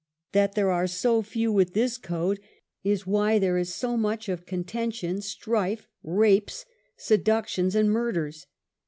That there are so few with this code, is why there / is BO much of contention, strife, rapes, seductions \ and murders.